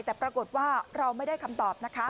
แต่ปรากฏว่าเราไม่ได้คำตอบนะคะ